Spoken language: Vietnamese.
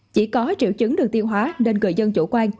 chỉ có triệu chứng được tiêu hóa nên gửi dân chủ quan